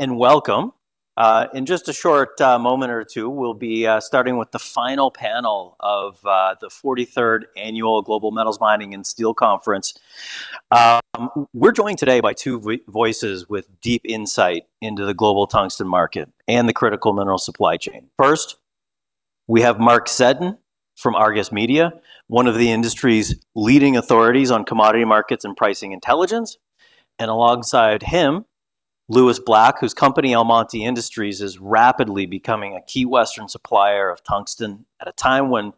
Welcome. In just a short moment or two, we'll be starting with the final panel of the 43rd Annual Global Metals Mining and Steel Conference. We're joined today by two voices with deep insight into the global tungsten market and the critical mineral supply chain. First, we have Mark Seddon from Argus Media, one of the industry's leading authorities on commodity markets and pricing intelligence, and alongside him, Lewis Black, whose company, Almonty Industries, is rapidly becoming a key Western supplier of tungsten at a time when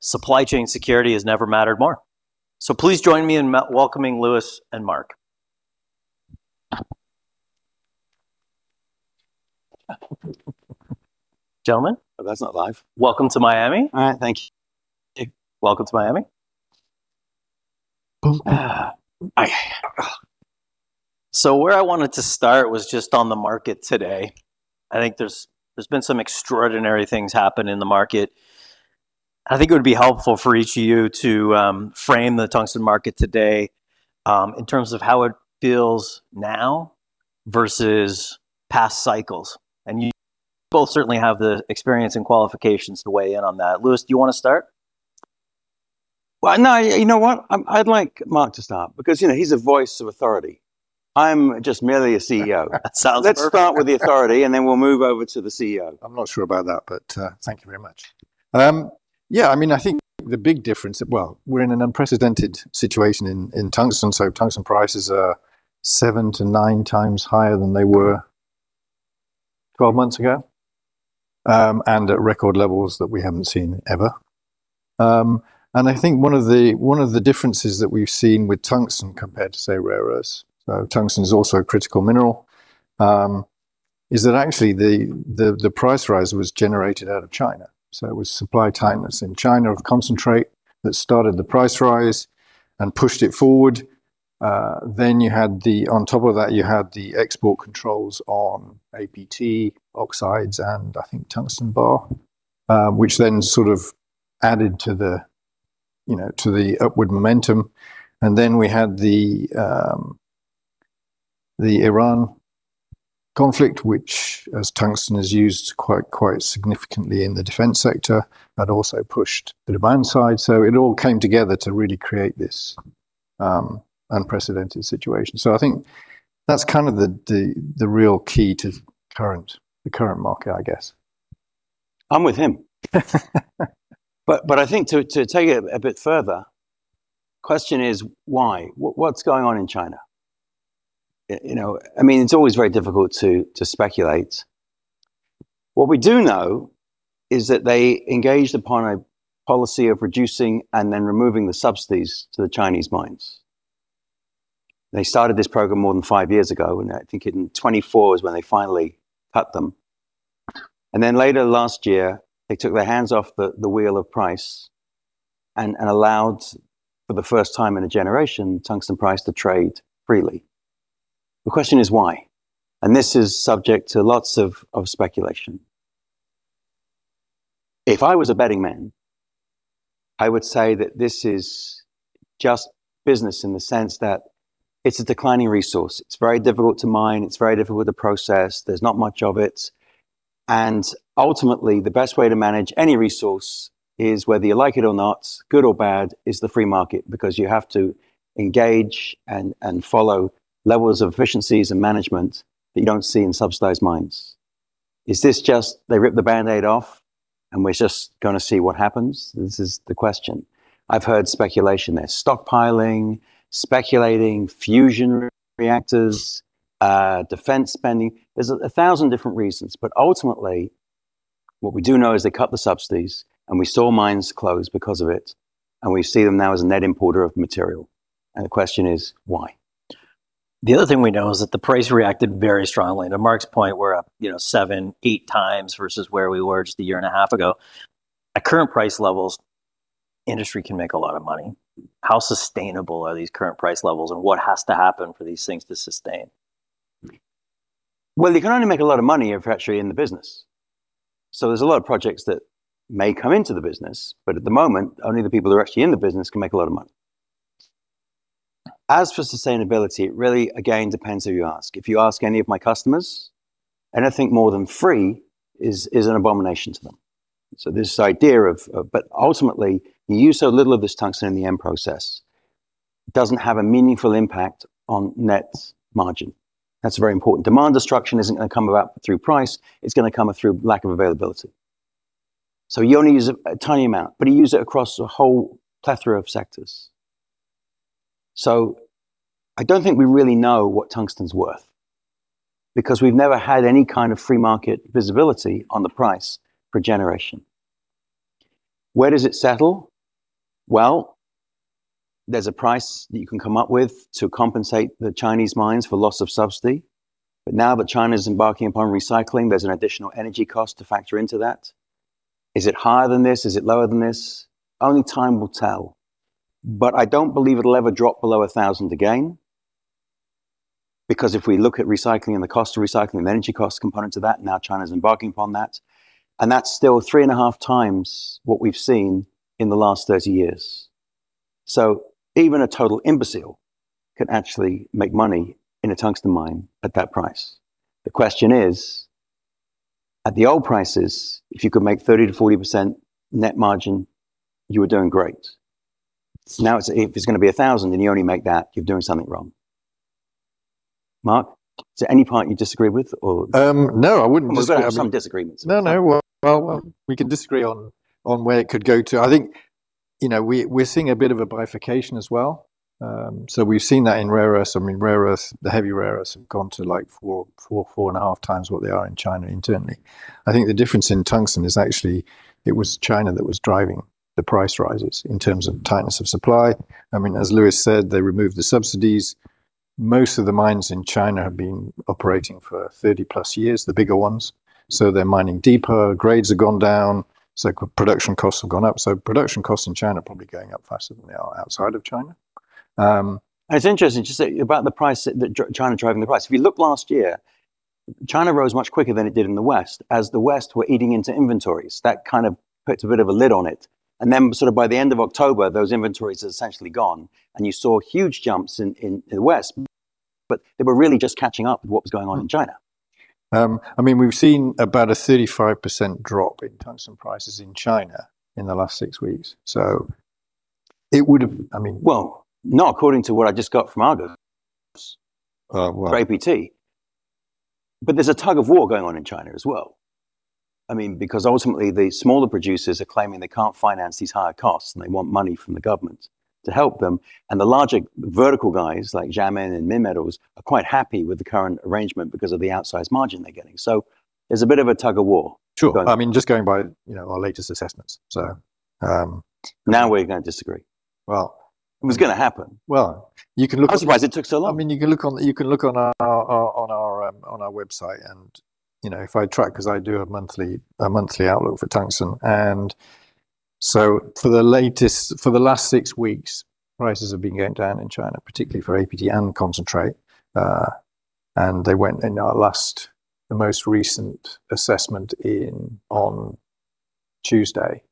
supply chain security has never mattered more. Please join me in welcoming Lewis and Mark. Gentlemen. Oh, that's not live. Welcome to Miami. All right. Thank you. Welcome to Miami. Boom. Okay. Where I wanted seven start was just on the market today. I think there's been some extraordinary things happen in the market. I think it would be helpful for each of you to frame the tungsten market today in terms of how it feels now versus past cycles, and you both certainly have the experience and qualifications to weigh in on that. Lewis, do you want to start? Well, no, you know what? I'd like Mark to start because, you know, he's a voice of authority. I'm just merely a CEO. Sounds perfect. Let's start with the authority, and then we'll move over to the CEO. I'm not sure about that. Thank you very much. Yeah, I mean, I think the big difference. We're in an unprecedented situation in tungsten. Tungsten prices are 7-9x higher than they were 12 months ago and at record levels that we haven't seen ever. I think one of the differences that we've seen with tungsten compared to, say, rare earths, tungsten's also a critical mineral, is that actually the price rise was generated out of China. It was supply tightness in China of concentrate that started the price rise and pushed it forward. You had the export controls on APT oxides and I think tungsten bar, which then sort of added to the, you know, to the upward momentum. We had the Iran conflict, which as tungsten is used quite significantly in the defense sector, that also pushed the demand side. It all came together to really create this unprecedented situation. I think that's kind of the real key to the current market, I guess. I'm with him. I think to take it a bit further, question is why? What, what's going on in China? You know, I mean, it's always very difficult to speculate. What we do know is that they engaged upon a policy of reducing and then removing the subsidies to the Chinese mines. They started this program more than five years ago, and I think in 2024 is when they finally cut them. Later last year they took their hands off the wheel of price and allowed for the first time in a generation, tungsten price to trade freely. The question is, why? This is subject to lots of speculation. If I was a betting man, I would say that this is just business in the sense that it's a declining resource. It's very difficult to mine. It's very difficult to process. There's not much of it, and ultimately the best way to manage any resource is, whether you like it or not, good or bad, is the free market because you have to engage and follow levels of efficiencies and management that you don't see in subsidized mines. Is this just they rip the Band-Aid off and we're just gonna see what happens? This is the question. I've heard speculation they're stockpiling, speculating, fusion reactors, defense spending. There's a 1,000 different reasons, but ultimately what we do know is they cut the subsidies and we saw mines close because of it, and we see them now as a net importer of material, and the question is, why? The other thing we know is that the price reacted very strongly. To Mark Seddon's point, we're up, you know, seven, 8x versus where we were just a year and a half ago. At current price levels, industry can make a lot of money. How sustainable are these current price levels and what has to happen for these things to sustain? You can only make a lot of money if you're actually in the business. There's a lot of projects that may come into the business, but at the moment, only the people that are actually in the business can make a lot of money. As for sustainability, it really, again, depends who you ask. If you ask any of my customers, anything more than free is an abomination to them. This idea of ultimately, you use so little of this tungsten in the end process, it doesn't have a meaningful impact on net margin. That's very important. Demand destruction isn't gonna come about through price, it's gonna come through lack of availability. You only use a tiny amount, but you use it across a whole plethora of sectors. I don't think we really know what tungsten's worth because we've never had any kind of free market visibility on the price for a generation. Where does it settle? There's a price that you can come up with to compensate the Chinese mines for loss of subsidy. Now that China's embarking upon recycling, there's an additional energy cost to factor into that. Is it higher than this? Is it lower than this? Only time will tell. I don't believe it'll ever drop below 1,000 again because if we look at recycling and the cost of recycling, the energy cost component to that, now China's embarking upon that, and that's still 3.5x what we've seen in the last 30 years. Even a total imbecile can actually make money in a tungsten mine at that price. The question is, at the old prices, if you could make 30%-40% net margin, you were doing great. Now it's, if it's going to be 1,000 and you only make that, you're doing something wrong. Mark, is there any part you disagree with or? no. I'm just looking for some disagreements. No, no. Well, we can disagree on where it could go to. I think, you know, we're seeing a bit of a bifurcation as well. We've seen that in rare earths. I mean, rare earths, the heavy rare earths have gone to, like, 4, 4.5x what they are in China internally. I think the difference in tungsten is actually it was China that was driving the price rises in terms of tightness of supply. I mean, as Lewis said, they removed the subsidies. Most of the mines in China have been operating for 30+ years, the bigger ones. They're mining deeper. Grades have gone down, production costs have gone up. Production costs in China are probably going up faster than they are outside of China. It's interesting to say about the price that China driving the price. If you look last year, China rose much quicker than it did in the West as the West were eating into inventories. That kind of puts a bit of a lid on it, by the end of October, those inventories had essentially gone and you saw huge jumps in the West. They were really just catching up with what was going on in China. I mean, we've seen about a 35% drop in tungsten prices in China in the last six weeks. Well, not according to what I just got from Argus. Oh, well. For APT. There's a tug of war going on in China as well. I mean, because ultimately the smaller producers are claiming they can't finance these higher costs and they want money from the government to help them, and the larger vertical guys like Xiamen Tungsten and Minmetals are quite happy with the current arrangement because of the outsized margin they're getting. There's a bit of a tug of war. Sure. I mean, just going by, you know, our latest assessments so. Now we're going to disagree. Well. It was going to happen. Well, you can look at. I'm surprised it took so long. I mean, you can look on our website and, you know, if I track, because I do a monthly outlook for tungsten. For the last six weeks, prices have been going down in China, particularly for APT and concentrate. They went in our last, the most recent assessment in, on Tuesday,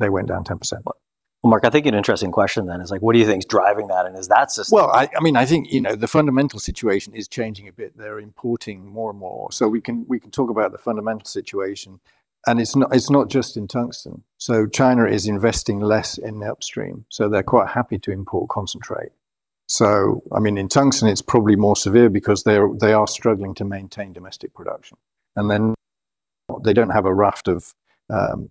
they went down 10%. Well, Mark, I think an interesting question then is, like, what do you think is driving that and is that sustainable? Well, I mean, I think, you know, the fundamental situation is changing a bit. They're importing more and more. We can talk about the fundamental situation and it's not just in tungsten. China is investing less in the upstream, so they're quite happy to import concentrate. I mean, in tungsten it's probably more severe because they are struggling to maintain domestic production, and then they don't have a raft of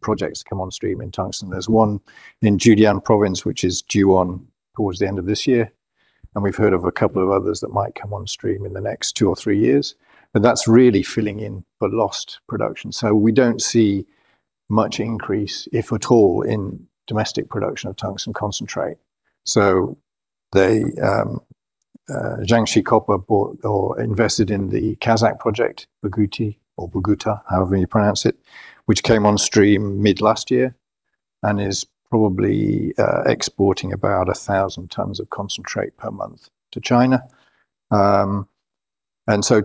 projects come on stream in tungsten. There's one in Jiangxi province, which is due on towards the end of this year, and we've heard of a couple of others that might come on stream in the next two or three years, but that's really filling in a lost production. We don't see much increase, if at all, in domestic production of tungsten concentrate. They, Jiangxi Copper bought or invested in the Kazakh project, Boguty or Burguta, however you pronounce it, which came on stream mid-last year and is probably exporting about 1,000 tons of concentrate per month to China.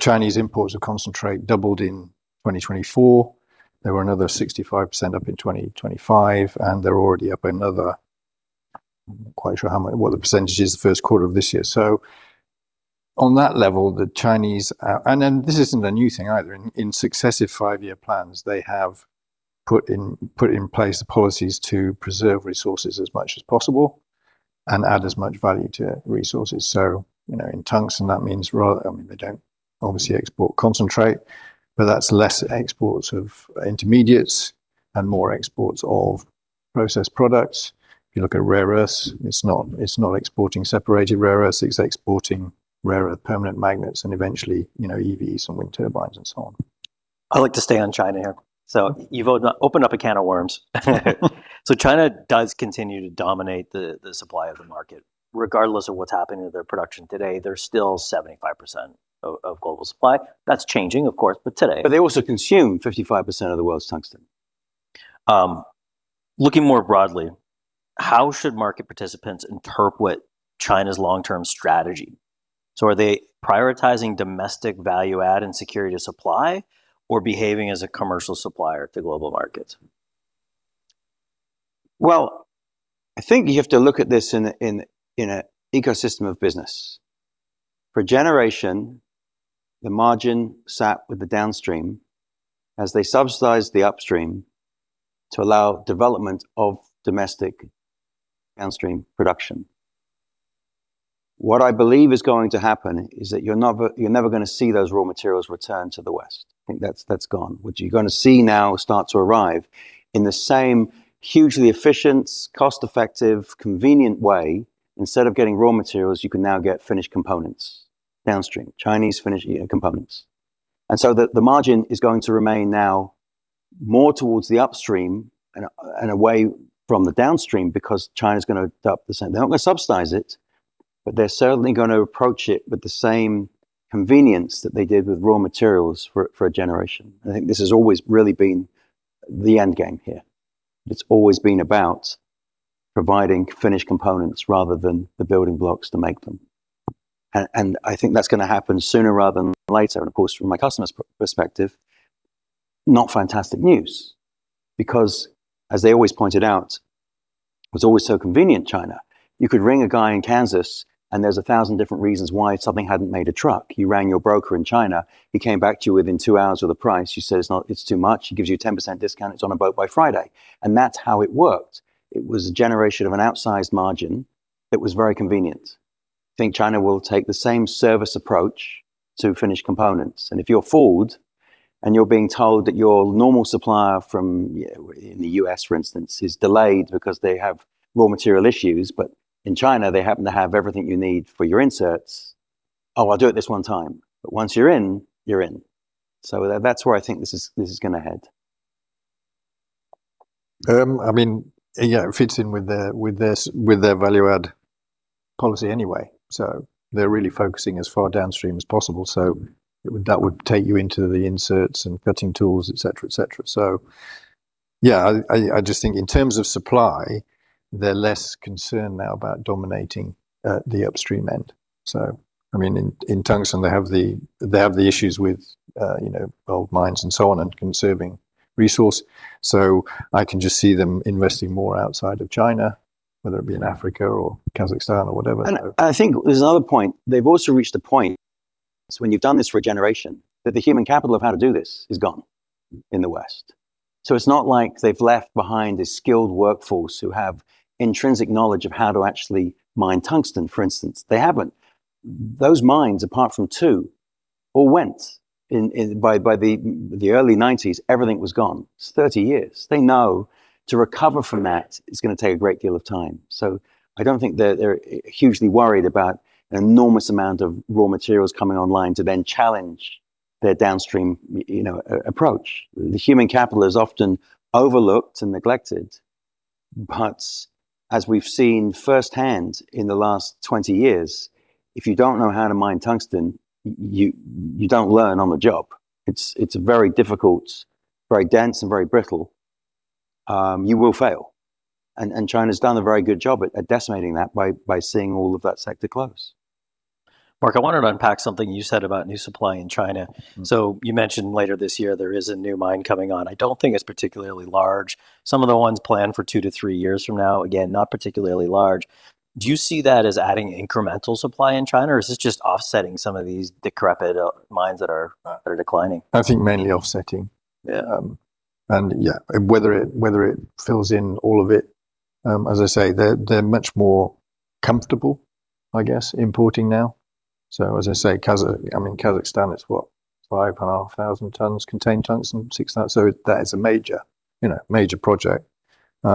Chinese imports of concentrate doubled in 2024. They were another 65% up in 2025, they're already up another I'm not quite sure how much, what the percentage is the first quarter of this year. On that level, the Chinese this isn't a new thing either. In successive five-year plans, they have put in place the policies to preserve resources as much as possible and add as much value to resources. You know, in tungsten that means I mean, they don't obviously export concentrate, but that's less exports of intermediates and more exports of processed products. If you look at rare earths, it's not exporting separated rare earths, it's exporting rare earth permanent magnets and eventually, you know, EVs and wind turbines and so on. I'd like to stay on China here. You've opened up a can of worms. China does continue to dominate the supply of the market. Regardless of what's happening to their production today, they're still 75% of global supply. That's changing of course, but today. They also consume 55% of the world's tungsten. Looking more broadly, how should market participants interpret China's long-term strategy? Are they prioritizing domestic value add and security of supply, or behaving as a commercial supplier to global markets? Well, I think you have to look at this in a ecosystem of business. For generation, the margin sat with the downstream as they subsidized the upstream to allow development of domestic downstream production. What I believe is going to happen is that you're never going to see those raw materials return to the West. I think that's gone. What you're going to see now start to arrive in the same hugely efficient, cost-effective, convenient way. Instead of getting raw materials, you can now get finished components downstream, Chinese finished components. The margin is going to remain now more towards the upstream and away from the downstream because China's going to adopt the same. They're not going to subsidize it, but they're certainly going to approach it with the same convenience that they did with raw materials for a generation. I think this has always really been the end game here. It's always been about providing finished components rather than the building blocks to make them. I think that's going to happen sooner rather than later. Of course, from my customer's perspective, not fantastic news because as they always pointed out, it was always so convenient, China. You could ring a guy in Kansas and there's 1,000 different reasons why something hadn't made a truck. You rang your broker in China, he came back to you within two hours with a price. You say, "It's not, it's too much." He gives you a 10% discount. It's on a boat by Friday. That's how it worked. It was a generation of an outsized margin that was very convenient. I think China will take the same service approach to finished components, and if you're Ford and you're being told that your normal supplier from, you know, in the U.S., for instance, is delayed because they have raw material issues, but in China they happen to have everything you need for your inserts, "Oh, I'll do it this 1 time." Once you're in, you're in. That's where I think this is, this is going to head. I mean, yeah, it fits in with their value add policy anyway, they're really focusing as far downstream as possible. That would take you into the inserts and cutting tools, et cetera, et cetera. Yeah, I just think in terms of supply, they're less concerned now about dominating the upstream end. I mean, in tungsten they have the issues with, you know, old mines and so on and conserving resource. I can just see them investing more outside of China, whether it be in Africa or Kazakhstan or whatever. I think there's another point. They've also reached a point when you've done this for a generation, that the human capital of how to do this is gone in the West. It's not like they've left behind a skilled workforce who have intrinsic knowledge of how to actually mine tungsten, for instance. They haven't. Those mines, apart from two, all went in the early 1990s, everything was gone. It's 30 years. They know to recover from that is going to take a great deal of time. I don't think they're hugely worried about an enormous amount of raw materials coming online to then challenge their downstream, you know, approach. The human capital is often overlooked and neglected. As we've seen firsthand in the last 20 years, if you don't know how to mine tungsten, you don't learn on the job. It's very difficult, very dense, and very brittle. You will fail. China's done a very good job at decimating that by seeing all of that sector close. Mark, I wanted to unpack something you said about new supply in China. You mentioned later this year there is a new mine coming on. I don't think it's particularly large. Some of the ones planned for two to three years from now, again, not particularly large. Do you see that as adding incremental supply in China, or is this just offsetting some of these decrepit mines that are declining? I think mainly offsetting. Yeah. Yeah, whether it fills in all of it, as I say, they're much more comfortable, I guess, importing now. As I say, I mean, Kazakhstan is what? 5,500 tons contained tungsten, so that is a major, you know, major project. You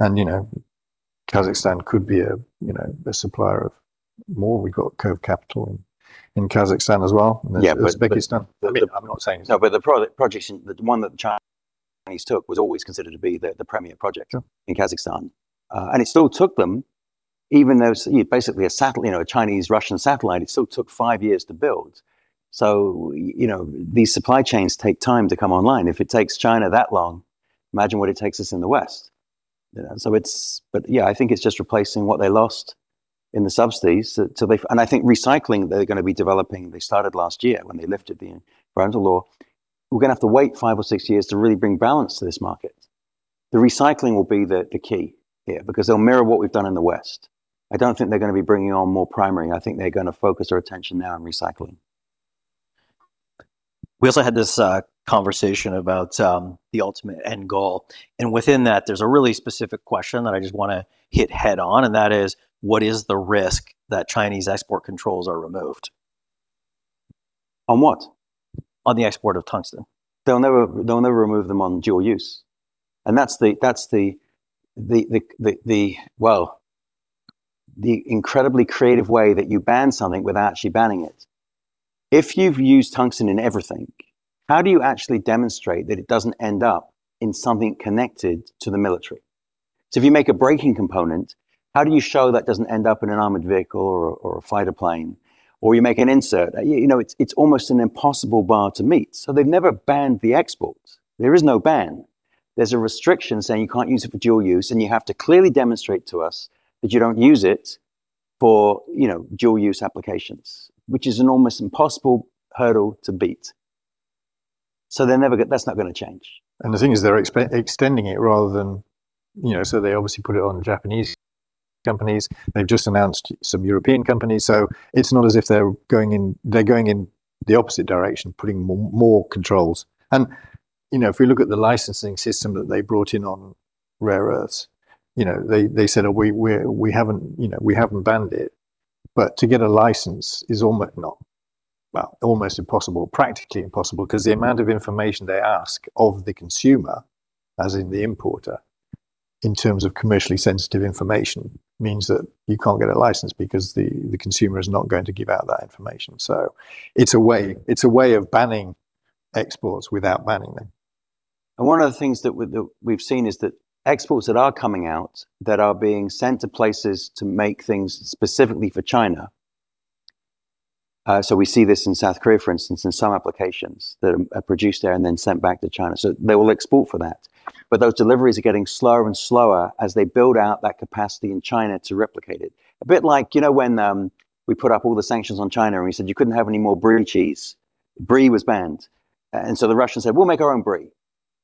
know, Kazakhstan could be a, you know, a supplier of more. We've got Cove Capital in Kazakhstan as well. Yeah, but- Uzbekistan. I mean, I'm not saying it's. No, but the projects in the one that Chinese took was always considered to be the premier project. Sure in Kazakhstan. It still took them, even though it's basically a you know, a Chinese-Russian satellite, it still took five years to build. You know, these supply chains take time to come online. If it takes China that long, imagine what it takes us in the West. Yeah, I think it's just replacing what they lost in the subsidies so they I think recycling they're going to be developing, they started last year when they lifted the environmental law. We're going to have to wait five or six years to really bring balance to this market. The recycling will be the key here because they'll mirror what we've done in the West. I don't think they're going to be bringing on more primary. I think they're going to focus their attention now on recycling. We also had this conversation about the ultimate end goal, and within that there's a really specific question that I just want to hit head on, and that is, what is the risk that Chinese export controls are removed? On what? On the export of tungsten. They'll never remove them on dual-use, and that's the, well, the incredibly creative way that you ban something without actually banning it. If you've used tungsten in everything, how do you actually demonstrate that it doesn't end up in something connected to the military? If you make a braking component, how do you show that doesn't end up in an armored vehicle or a fighter plane? Or you make an insert. You know, it's almost an impossible bar to meet, they've never banned the export. There is no ban. There's a restrictbition saying you can't use it for dual-use, and you have to clearly demonstrate to us that you don't use it for, you know, dual-use applications, which is an almost impossible hurdle to beat. That's not going to change. The thing is, they're extending it rather than you know, they obviously put it on Japanese companies. They've just announced some European companies, it's not as if they're going in the opposite direction, putting more controls. You know, if we look at the licensing system that they brought in on rare earths, you know, they said, "We haven't, you know, we haven't banned it." To get a license is almost impossible. Practically impossible because the amount of information they ask of the consumer, as in the importer, in terms of commercially sensitive information means that you can't get a license because the consumer isos not going to give out that information. It's a way of banning exports without banning them. One of the things that we've seen is that exports that are coming out that are being sent to places to make things specifically for China. We see this in South Korea, for instance, in some applications that are produced there and then sent back to China. They will export for that. Those deliveries are getting slower and slower as they build out that capacity in China to replicate it. A bit like, you know when we put up all the sanctions on China and we said you couldn't have any more brie cheese. Brie was banned. The Russians said, "We'll make our own brie."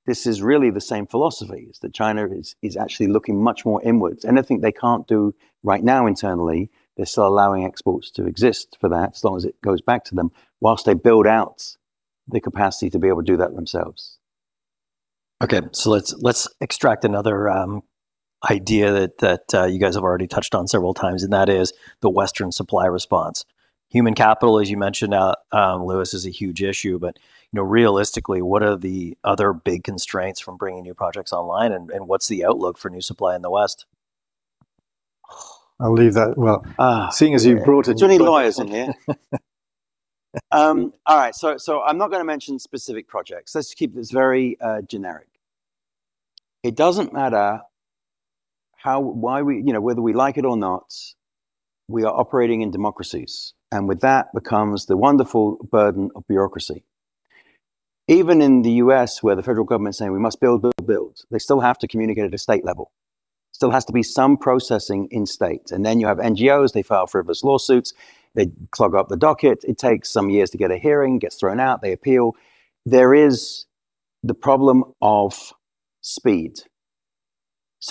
This is really the same philosophy, is that China is actually looking much more inwards. Anything they can't do right now internally, they're still allowing exports to exist for that as long as it goes back to them, while they build out the capacity to be able to do that themselves. Okay. Let's extract another idea that you guys have already touched on several times, and that is the Western supply response. Human capital, as you mentioned, Lewis, is a huge issue but, you know, realistically, what are the other big constraints from bringing new projects online and what's the outlook for new supply in the West? I'll leave that. seeing as you've brought it up. There's only lawyers in here. All right. I'm not gonna mention specific projects. Let's keep this very generic. It doesn't matter how, why we, you know, whether we like it or not, we are operating in democracies, and with that comes the wonderful burden of bureaucracy. Even in the U.S. where the federal government's saying, "We must build, build," they still have to communicate at a state level. Still has to be some processing in state. Then you have NGOs, they file frivolous lawsuits, they clog up the docket. It takes some years to get a hearing, gets thrown out, they appeal. There is the problem of speed.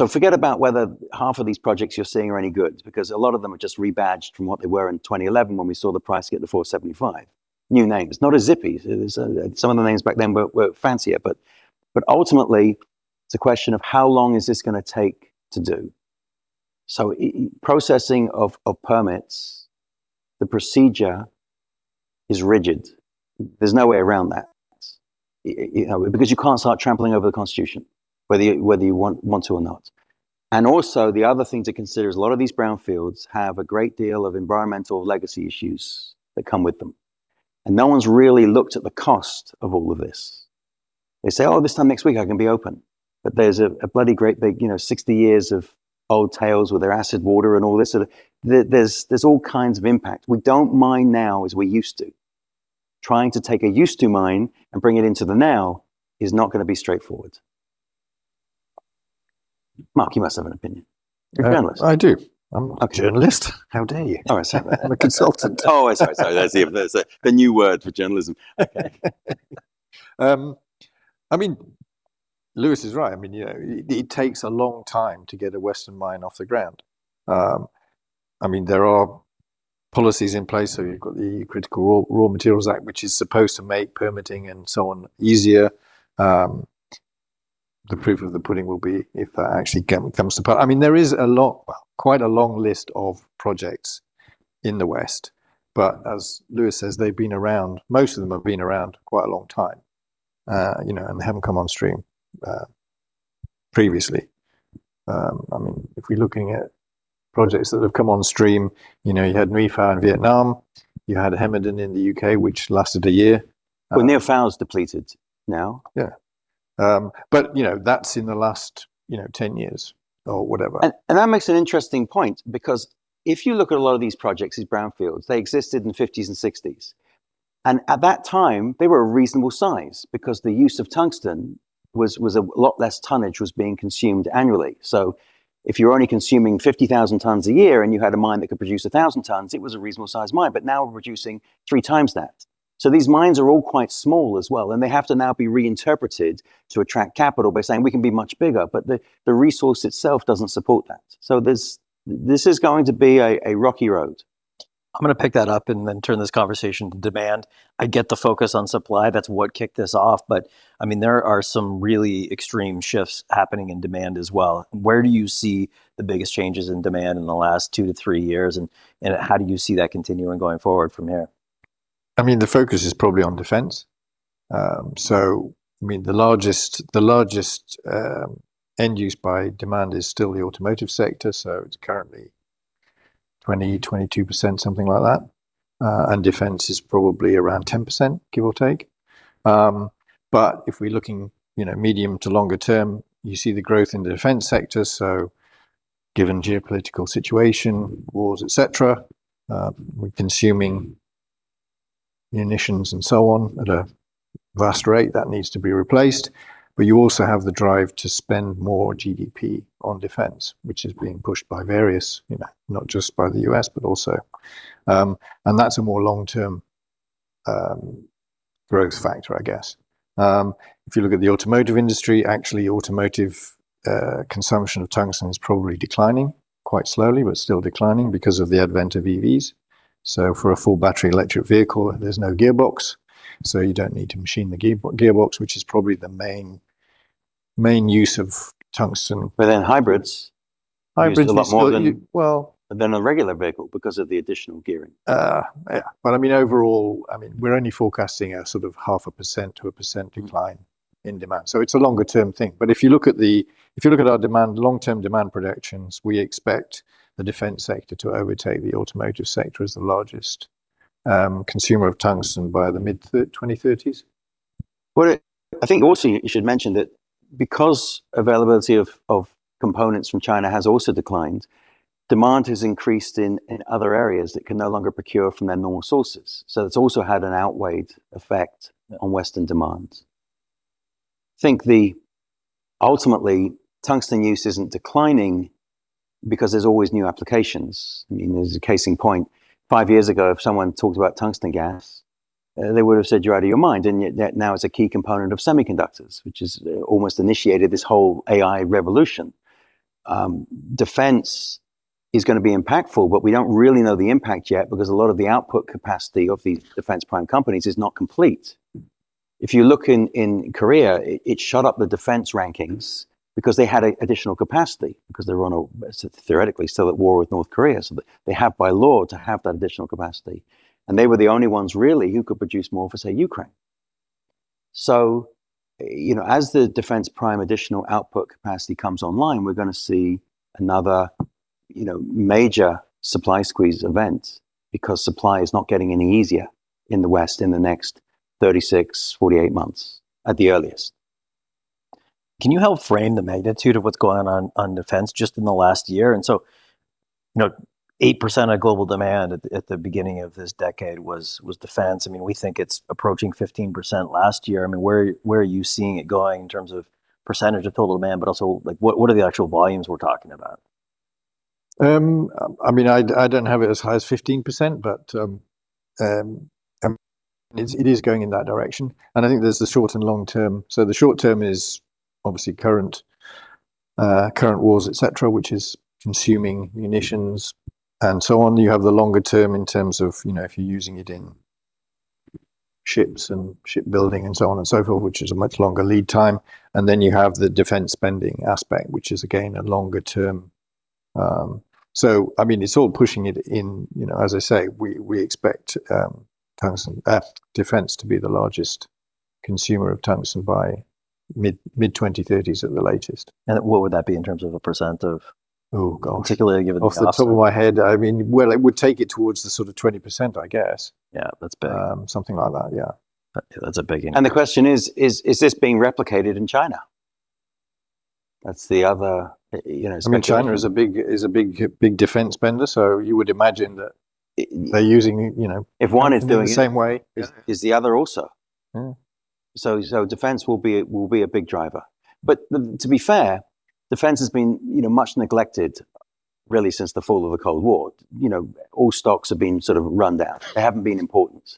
Forget about whether half of these projects you're seeing are any good, because a lot of them are just rebadged from what they were in 2011 when we saw the price get to 475. New names. Not as zippy. There's some of the names back then were fancier. Ultimately, it's a question of how long is this gonna take to do. Processing of permits, the procedure is rigid. There's no way around that. You know, because you can't start trampling over the Constitution whether you want to or not. Also, the other thing to consider is a lot of these brownfields have a great deal of environmental legacy issues that come with them, and no one's really looked at the cost of all of this. They say, "Oh, this time next week I can be open." There's a bloody great big, you know, 60 years of old tails with their acid water and all this. There's all kinds of impact. We don't mine now as we used to. Trying to take a used to mine and bring it into the now is not gonna be straightforward. Mark, you must have an opinion. You're a journalist. I do. I'm a journalist. How dare you? Oh, sorry. I'm a consultant. Oh, sorry. Sorry. That's it. That's a new word for journalism. I mean, Lewis is right. I mean, you know, it takes a long time to get a Western mine off the ground. I mean, there are policies in place, so you've got the Critical Raw Materials Act, which is supposed to make permitting and so on easier. The proof of the pudding will be if that actually comes to pass. I mean, there is a well, quite a long list of projects in the West, but as Lewis says, they've been around, most of them have been around quite a long time. You know, they haven't come on stream previously. I mean, if we're looking at projects that have come on stream, you know, you had Nui Phao in Vietnam, you had Hemerdon in the U.K., which lasted 1 year. Well, Nui Phao is depleted now. Yeah. you know, that's in the last, you know, 10 years or whatever. That makes an interesting point because if you look at a lot of these projects, these brownfields, they existed in the '50s and '60s, and at that time they were a reasonable size because the use of tungsten was a lot less tonnage was being consumed annually. If you're only consuming 50,000 tons a year and you had a mine that could produce 1,000 tons, it was a reasonable size mine, now we're producing 3x that. These mines are all quite small as well, and they have to now be reinterpreted to attract capital by saying, "We can be much bigger," but the resource itself doesn't support that. This is going to be a rocky road. I'm gonna pick that up and then turn this conversation to demand. I get the focus on supply, that's what kicked this off, but I mean, there are some really extreme shifts happening in demand as well. Where do you see the biggest changes in demand in the last two to three years and how do you see that continuing going forward from here? I mean, the focus is probably on defense. I mean, the largest end use by demand is still the automotive sector, it's currently 20%-22%, something like that. Defense is probably around 10%, give or take. If we're looking, you know, medium to longer term, you see the growth in the defense sector, given geopolitical situation, wars, et cetera, we're consuming munitions and so on at a vast rate. That needs to be replaced. You also have the drive to spend more GDP on defense, which is being pushed by various, you know, not just by the U.S., but also. That's a more long-term growth factor I guess. If you look at the automotive industry, actually automotive consumption of tungsten is probably declining. Quite slowly, still declining because of the advent of EVs. For a full battery electric vehicle, there's no gearbox, so you don't need to machine the gearbox, which is probably the main use of tungsten. But then hybrids- Hybrids is still- Use a lot more than. Well- Than a regular vehicle because of the additional gearing. Yeah. I mean overall, I mean, we're only forecasting a sort of 0.5%-1% decline in demand, so it's a longer term thing. If you look at our demand, long-term demand projections, we expect the defense sector to overtake the automotive sector as the largest consumer of tungsten by the mid-2030s. Well, I think also you should mention that because availability of components from China has also declined, demand has increased in other areas that can no longer procure from their normal sources. It's also had an outweighed effect on Western demand. Ultimately, tungsten use isn't declining because there's always new applications. I mean, as a case in point, five years ago if someone talked about tungsten hexafluoride, they would've said, "You're out of your mind," and yet that now is a key component of semiconductors, which has almost initiated this whole AI revolution. Defense is gonna be impactful, but we don't really know the impact yet because a lot of the output capacity of these defense prime companies is not complete. If you look in Korea, it shot up the defense rankings because they had a additional capacity, because they were on a theoretically still at war with North Korea, so they have by law to have that additional capacity. They were the only ones really who could produce more for, say, Ukraine. You know, as the defense prime additional output capacity comes online, we're gonna see another, you know, major supply squeeze event because supply is not getting any easier in the West in the next 36, 48 months at the earliest. Can you help frame the magnitude of what's going on defense just in the last year? You know, 8% of global demand at the, at the beginning of this decade was defense. I mean, we think it's approaching 15% last year. I mean, where are you seeing it going in terms of % of total demand, but also, like, what are the actual volumes we're talking about? I mean, I don't have it as high as 15%, but it is going in that direction, and I think there's the short and long term. The short term is obviously current wars, et cetera, which is consuming munitions and so on. You have the longer term in terms of, if you're using it in ships and ship building and so on and so forth, which is a much longer lead time. Then you have the defense spending aspect, which is again, a longer term. I mean, it's all pushing it in, as I say, we expect tungsten, defense to be the largest consumer of tungsten by mid 2030s at the latest. What would that be in terms of a % of? Oh, gosh. particularly given the last- Off the top of my head, I mean, well, it would take it towards the sort of 20%, I guess. Yeah, that's big. Something like that, yeah. That's a big increase. The question is this being replicated in China? That's the other, you know, speculation. I mean, China is a big defense spender, so you would imagine that they're using, you know. If one is doing it- the same way is the other also. Yeah. Defense will be a big driver. To be fair, defense has been, you know, much neglected really since the fall of the Cold War. You know, all stocks have been sort of run down. They haven't been important.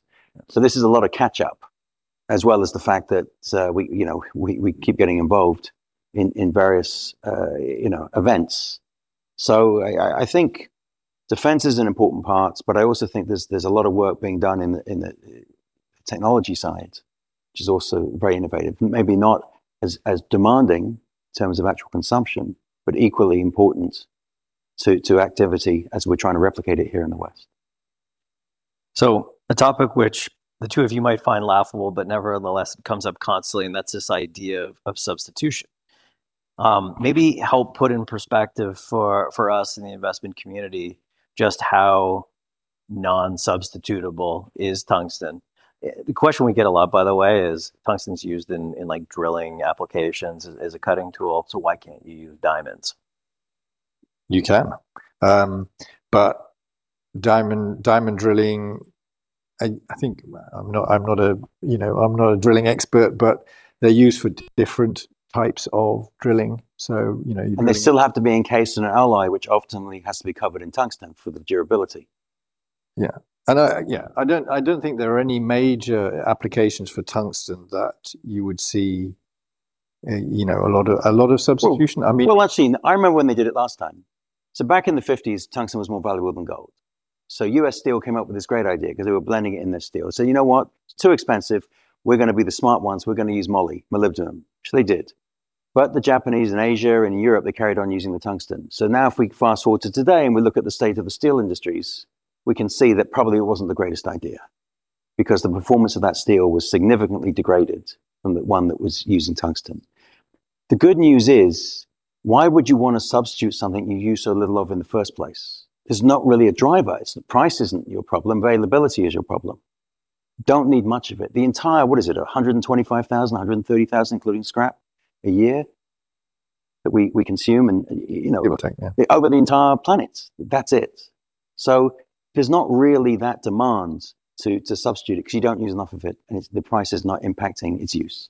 This is a lot of catch up, as well as the fact that we, you know, we keep getting involved in various, you know, events. I think defense is an important part, but I also think there's a lot of work being done in the technology side, which is also very innovative. Maybe not as demanding in terms of actual consumption, but equally important to activity as we're trying to replicate it here in the West. A topic which the two of you might find laughable, but nevertheless comes up constantly, and that's this idea of substitution. Maybe help put in perspective for us in the investment community just how non-substitutable is tungsten. The question we get a lot, by the way, is tungsten's used in, like, drilling applications as a cutting tool, so why can't you use diamonds? You can. Diamond drilling, I think, I'm not a, you know, I'm not a drilling expert, but they're used for different types of drilling, you know. They still have to be encased in an alloy, which often has to be covered in tungsten for the durability. Yeah. I don't think there are any major applications for tungsten that you would see, you know, a lot of substitution. Well, well actually, I remember when they did it last time. Back in the 1950s, tungsten was more valuable than gold. US Steel came up with this great idea, because they were blending it in their steel. They said, "You know what? It's too expensive. We're gonna be the smart ones. We're gonna use moly, molybdenum," which they did. The Japanese in Asia and Europe, they carried on using the tungsten. Now if we fast-forward to today and we look at the state of the steel industries, we can see that probably it wasn't the greatest idea because the performance of that steel was significantly degraded from the one that was using tungsten. The good news is why would you want to substitute something you use so little of in the first place? There's not really a driver. It's the price isn't your problem. Availability is your problem. Don't need much of it. The entire, what is it, 125,000, 130,000 including scrap a year that we consume and, you know. Give or take, yeah. over the entire planet. That's it. There's not really that demand to substitute it, 'cause you don't use enough of it, and the price is not impacting its use.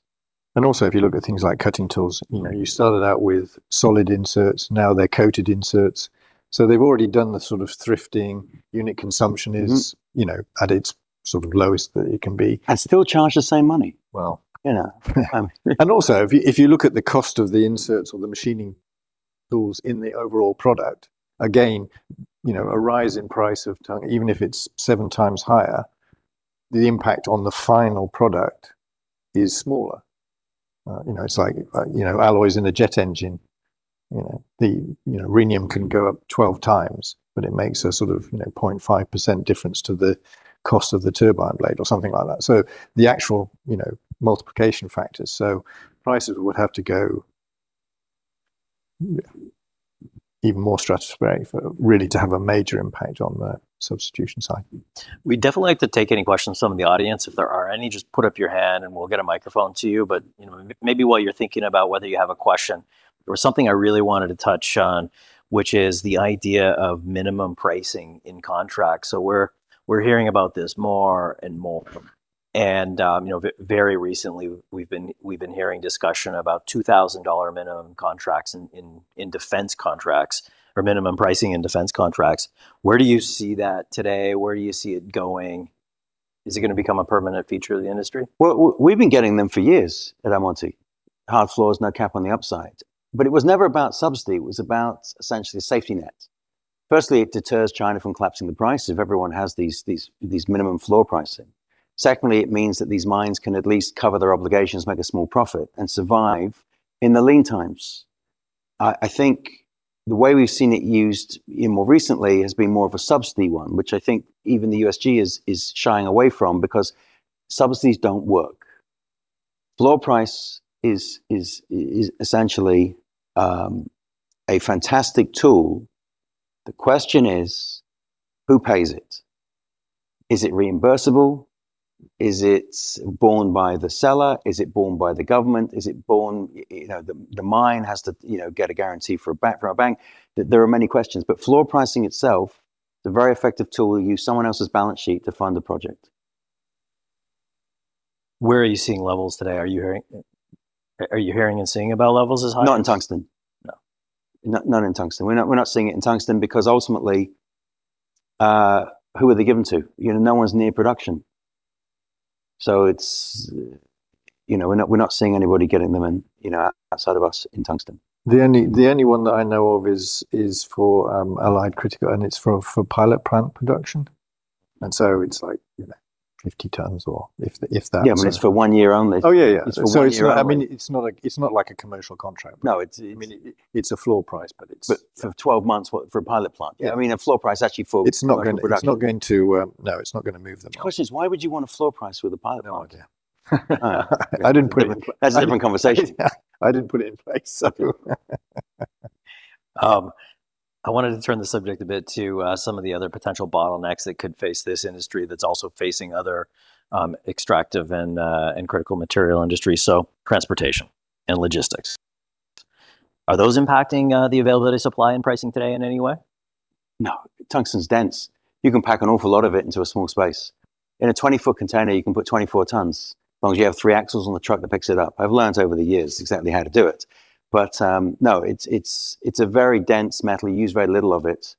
If you look at things like cutting tools, you know, you started out with solid inserts, now they're coated inserts. They've already done the sort of thrifting. Unit consumption is. you know, at its sort of lowest that it can be. Still charge the same money. Well. You know. I mean. Also, if you look at the cost of the inserts or the machining tools in the overall product, again, you know, a rise in price of tung- even if it's seven times higher, the impact on the final product is smaller. You know, it's like, you know, alloys in a jet engine, you know, rhenium can go up 12 times, but it makes a sort of, you know, 0.5% difference to the cost of the turbine blade or something like that. The actual, you know, multiplication factor. Even more stratospheric really to have a major impact on the substitution side. We'd definitely like to take any questions from the audience. If there are any, just put up your hand and we'll get a microphone to you. You know, maybe while you're thinking about whether you have a question, there was something I really wanted to touch on, which is the idea of minimum pricing in contracts. We're hearing about this more and more. You know, very recently we've been hearing discussion about $2,000 minimum contracts in defense contracts, or minimum pricing in defense contracts. Where do you see that today? Where do you see it going? Is it gonna become a permanent feature of the industry? Well, we've been getting them for years at Almonty. Hard floors, no cap on the upside. It was never about subsidy, it was about essentially a safety net. Firstly, it deters China from collapsing the price if everyone has these minimum floor pricing. Secondly, it means that these mines can at least cover their obligations, make a small profit, and survive in the lean times. I think the way we've seen it used, you know, more recently has been more of a subsidy one, which I think even the USG is shying away from because subsidies don't work. Floor price is essentially a fantastic tool. The question is who pays it? Is it reimbursable? Is it borne by the seller? Is it borne by the government? Is it borne, you know, the mine has to, you know, get a guarantee for a bank. There are many questions, but floor pricing itself is a very effective tool. You use someone else's balance sheet to fund the project. Where are you seeing levels today? Are you hearing and seeing about levels as high as. Not in tungsten. No. Not in tungsten. We're not seeing it in tungsten because ultimately, who are they given to? You know, no one's near production. It's, you know, we're not seeing anybody getting them in, you know, outside of us in tungsten. The only one that I know of is for Allied Critical, and it's for pilot plant production. It's like, you know, 50 tons. Yeah, I mean it's for one year only. Oh, yeah. It's for one year only. It's, I mean, it's not a, it's not like a commercial contract. No, it's. I mean, it's a floor price. For 12 months, what, for a pilot plant. Yeah. I mean, a floor price actually for production. No, it's not gonna move the needle. The question is why would you want a floor price with a pilot plant? No idea. That's a different conversation. Yeah. I didn't put it in place. I wanted to turn the subject a bit to some of the other potential bottlenecks that could face this industry that's also facing other extractive and critical material industries, so transportation and logistics. Are those impacting the availability of supply and pricing today in any way? No. Tungsten's dense. You can pack an awful lot of it into a small space. In a 20-foot container you can put 24 tons, as long as you have three axles on the truck that picks it up. I've learned over the years exactly how to do it. No, it's, it's a very dense metal. You use very little of it.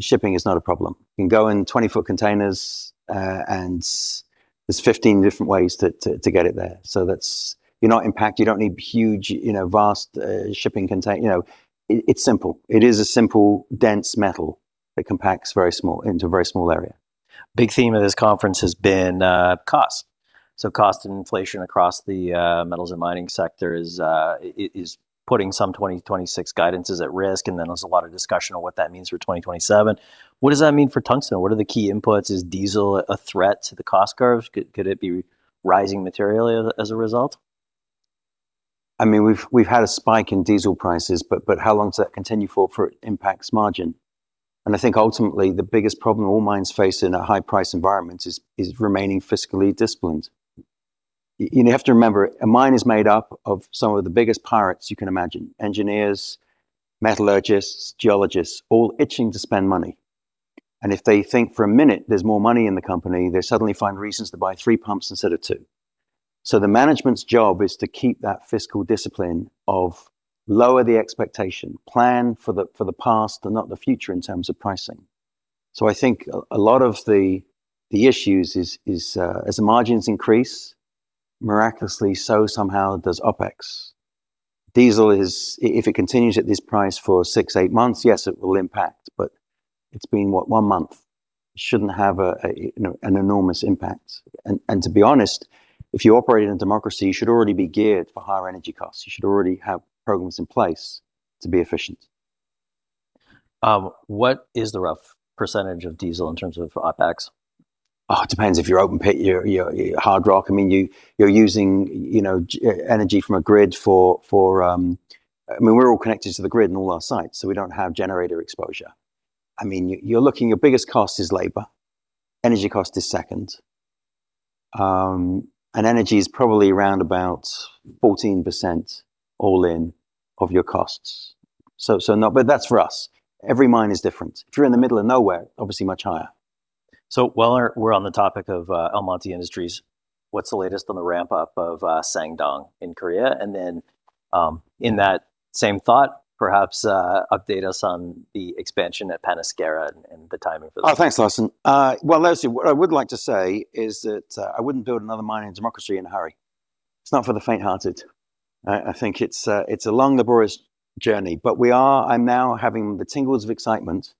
Shipping is not a problem. You can go in 20-foot containers, and there's 15 different ways to get it there. That's You're not impact. You don't need huge, you know, vast. You know, it's simple. It is a simple, dense metal that compacts very small, into a very small area. Big theme of this conference has been cost. Cost and inflation across the metals and mining sector is putting some 2026 guidances at risk. There's a lot of discussion on what that means for 2027. What does that mean for tungsten? What are the key inputs? Is diesel a threat to the cost curve? Could it be rising materially as a result? I mean, we've had a spike in diesel prices, but how long does that continue for it impacts margin? I think ultimately the biggest problem all mines face in a high price environment is remaining fiscally disciplined. You know, you have to remember, a mine is made up of some of the biggest pirates you can imagine, engineers, metallurgists, geologists, all itching to spend money. If they think for a minute there's more money in the company, they suddenly find reasons to buy 3 pumps instead of 2. The management's job is to keep that fiscal discipline of lower the expectation, plan for the past and not the future in terms of pricing. I think a lot of the issues is as the margins increase, miraculously so somehow does OPEX. Diesel is if it continues at this price for six, eight months, yes, it will impact, but it's been, what, one month. It shouldn't have a, you know, an enormous impact. To be honest, if you operate in a democracy, you should already be geared for higher energy costs. You should already have programs in place to be efficient. What is the rough % of diesel in terms of OPEX? It depends. If you're open pit, you're hard rock, I mean, you're using, you know, energy from a grid for, I mean, we're all connected to the grid in all our sites so we don't have generator exposure. I mean, you're looking, your biggest cost is labor. Energy cost is second. Energy is probably around about 14% all in of your costs. That's for us. Every mine is different. If you're in the middle of nowhere, obviously much higher. While we're on the topic of Almonty Industries, what's the latest on the ramp up of Sangdong in Korea? In that same thought, perhaps, update us on the expansion at Panasqueira and the timing for that? Thanks, Lawson Winder. Well, Lawson Winder, what I would like to say is that I wouldn't build another mine in a democracy in a hurry. It's not for the faint-hearted. I think it's a long and laborious journey. I'm now having the tingles of excitement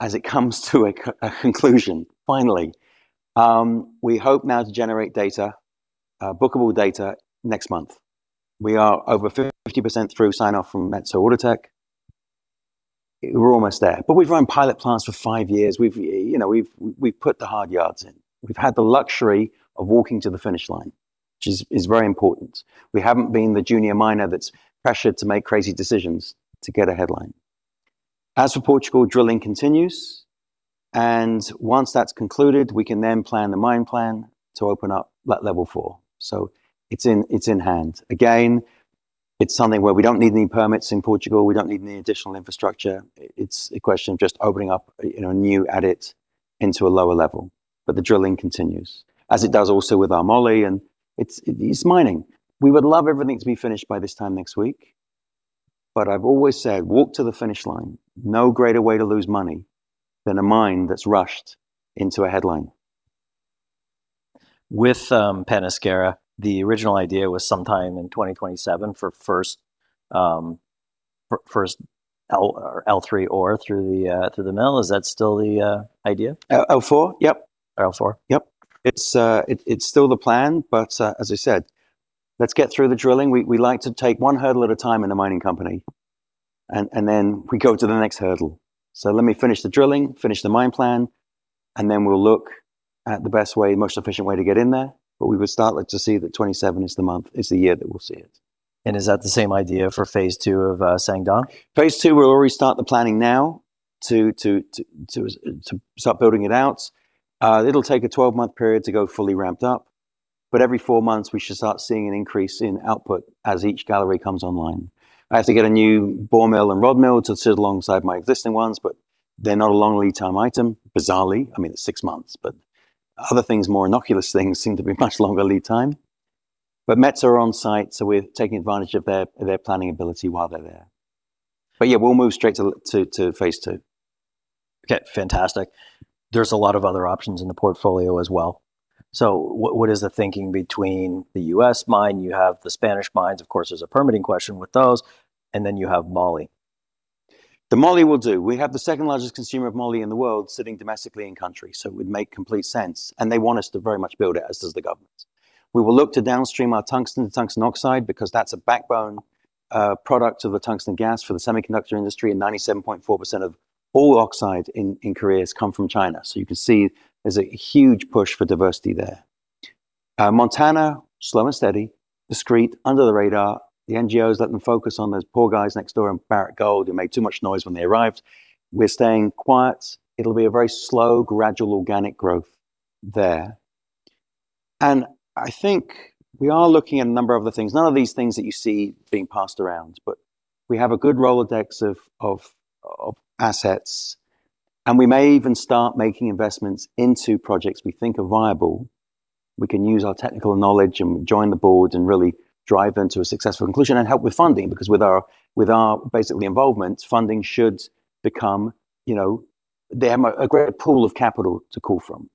as it comes to a conclusion finally. We hope now to generate data, bookable data next month. We are over 50% through sign off from Metso Outotec. We're almost there. We've run pilot plants for 5 years. We've, you know, we've put the hard yards in. We've had the luxury of walking to the finish line, which is very important. We haven't been the junior miner that's pressured to make crazy decisions to get a headline. As for Portugal, drilling continues. Once that's concluded, we can then plan the mine plan to open up that level 4. It's in hand. Again, it's something where we don't need any permits in Portugal, we don't need any additional infrastructure. It's a question of just opening up a, you know, a new adit into a lower level. The drilling continues, as it does also with our moly and it's mining. We would love everything to be finished by this time next week. I've always said, walk to the finish line. No greater way to lose money than a mine that's rushed into a headline. With Panasqueira, the original idea was sometime in 2027 for first L3 ore through the mill. Is that still the idea? L4? Yep. L4. Yep. It's still the plan. As I said, let's get through the drilling. We like to take one hurdle at a time in the mining company, and then we go to the next hurdle. Let me finish the drilling, finish the mine plan, and then we'll look at the best way, most efficient way to get in there. We would start to see that 2027 is the year that we'll see it. Is that the same idea for phase two of Sangdong? Phase two, we'll already start the planning now to start building it out. It'll take a 12-month period to go fully ramped up, but every four months we should start seeing an increase in output as each gallery comes online. I have to get a new ball mill and rod mill to sit alongside my existing ones, but they're not a long lead time item, bizarrely. I mean, it's six months, but other things, more innocuous things seem to be much longer lead time. Metso are on site, so we're taking advantage of their planning ability while they're there. Yeah, we'll move straight to phase two. Okay, fantastic. There's a lot of other options in the portfolio as well. What is the thinking between the U.S. mine, you have the Spanish mines, of course there's a permitting question with those, and then you have moly? The moly we'll do. We have the second-largest consumer of moly in the world sitting domestically in country, so it would make complete sense, and they want us to very much build it, as does the government. We will look to downstream our tungsten to tungsten oxide, because that's a backbone product of the tungsten hexafluoride for the semiconductor industry, and 97.4% of all oxide in Korea has come from China. You can see there's a huge push for diversity there. Montana, slow and steady, discreet, under the radar. The NGOs let them focus on those poor guys next door in Barrick Gold who made too much noise when they arrived. We're staying quiet. It'll be a very slow, gradual, organic growth there. I think we are looking at a number of other things. None of these things that you see being passed around, but we have a good Rolodex of assets, and we may even start making investments into projects we think are viable. We can use our technical knowledge and join the board and really drive them to a successful conclusion and help with funding, because with our basically involvement, funding should become, you know. They have a great pool of capital to call from.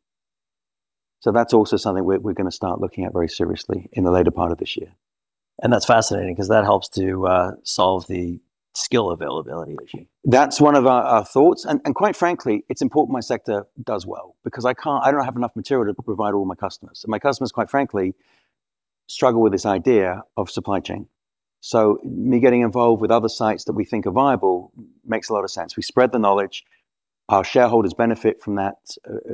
That's also something we're gonna start looking at very seriously in the later part of this year. That's fascinating, 'cause that helps to solve the skill availability issue. That's one of our thoughts. Quite frankly, it's important my sector does well, because I don't have enough material to provide all my customers, and my customers, quite frankly, struggle with this idea of supply chain. Me getting involved with other sites that we think are viable makes a lot of sense. We spread the knowledge, our shareholders benefit from that,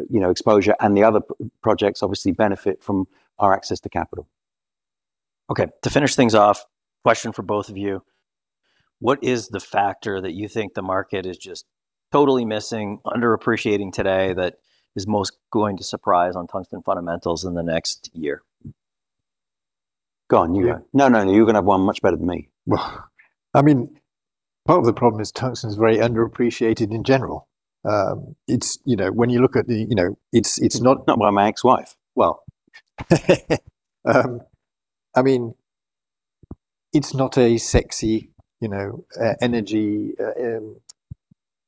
you know, exposure, and the other projects obviously benefit from our access to capital. Okay. To finish things off, question for both of you, what is the factor that you think the market is just totally missing, under-appreciating today that is most going to surprise on tungsten fundamentals in the next year? Go on, you go. Yeah. No, no, you're gonna have one much better than me. Well, I mean, part of the problem is tungsten's very under-appreciated in general. Not by my ex-wife. Well, I mean, it's not a sexy, you know, energy,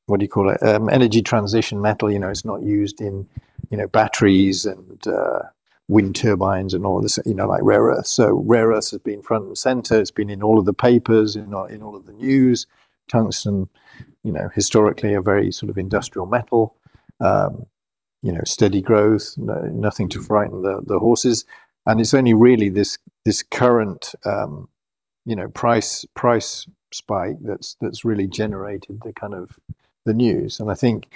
what do you call it? Energy transition metal. You know, it's not used in, you know, batteries and wind turbines and all this, you know, like rare earths. Rare earths have been front and center. It's been in all of the papers, in all of the news. Tungsten, you know, historically a very sort of industrial metal. You know, steady growth, no, nothing to frighten the horses, and it's only really this current, you know, price spike that's really generated the kind of the news. I think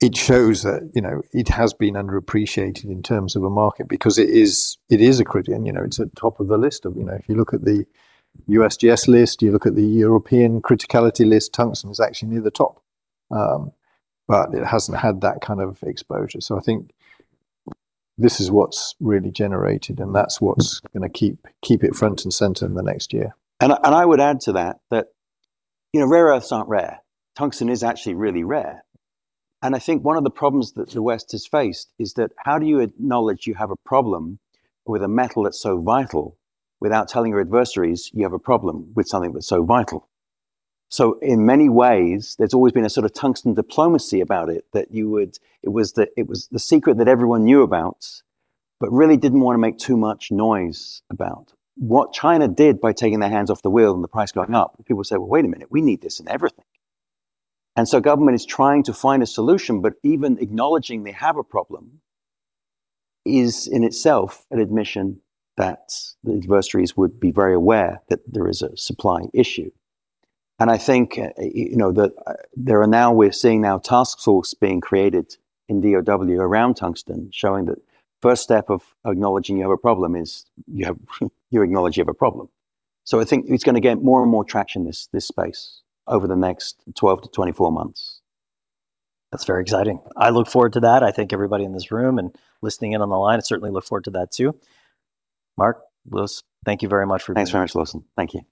it shows that, you know, it has been under-appreciated in terms of a market because it is a critical and, you know, it's at top of the list. You look at the USGS list, you look at the European criticality list, tungsten is actually near the top. It hasn't had that kind of exposure. I think this is what's really generated, and that's what's gonna keep it front and center in the next year. I would add to that, you know, rare earths aren't rare. Tungsten is actually really rare. I think one of the problems that the West has faced is that how do you acknowledge you have a problem with a metal that's so vital without telling your adversaries you have a problem with something that's so vital? In many ways, there's always been a sort of tungsten diplomacy about it that it was the secret that everyone knew about, but really didn't want to make too much noise about. What China did by taking their hands off the wheel and the price going up, people say, "Well, wait a minute, we need this in everything." Government is trying to find a solution, but even acknowledging they have a problem is in itself an admission that the adversaries would be very aware that there is a supply issue. I think, you know, that there are now, we're seeing now task force being created in DOD around tungsten, showing that first step of acknowledging you have a problem is you acknowledge you have a problem. I think it's gonna get more and more traction, this space, over the next 12-24 months. That's very exciting. I look forward to that. I think everybody in this room and listening in on the line certainly look forward to that too. Mark, Lewis, thank you very much for being. Thanks very much, Lawson. Thank you